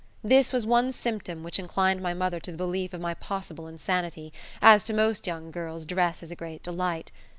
This was one symptom which inclined my mother to the belief of my possible insanity, as to most young girls dress is a great delight.